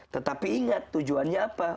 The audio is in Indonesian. tetapi ingat tujuannya apa